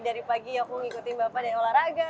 dari pagi aku ngikutin bapak dari olahraga